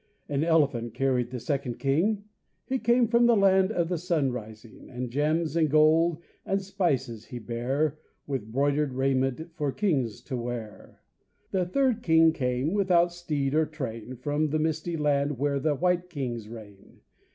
An elephant carried the second king, He came from the land of the sun rising, And gems and gold and spices he bare With broidered raiment for kings to wear. The third king came without steed or train From the misty land where the white kings reign.